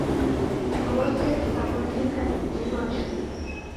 Ghose ghikabonyeka dipoilwa shuu.